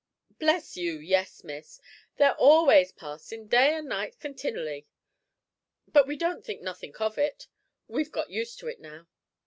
"Bless you, yes, Miss; they're always passin' day and night continooly; but we don't think nothink of it. We've got used to it now."